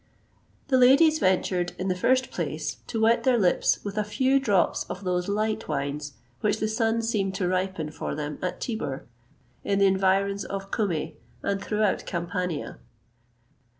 [XXVIII 147] The ladies ventured, in the first place, to wet their lips with a few drops of those light wines which the sun seemed to ripen for them at Tibur, in the environs of Cumæ, and throughout Campania.